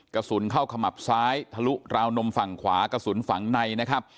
กระสุนเข้าขีมาปซ้ายถะลุล้าวนมฝั่งขวากระสุนฝั่งใน